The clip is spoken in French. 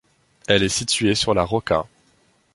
Elle est située sur la Rawka.